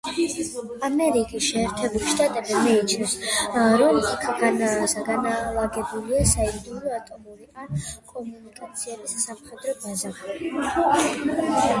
ამერიკის შეერთებული შტატები მიიჩნევს, რომ იქ განლაგებულია საიდუმლო ატომური ან კომუნიკაციების სამხედრო ბაზა.